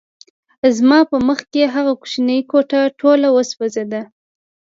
زما په مخکې هغه کوچنۍ کوټه ټوله وسوځېده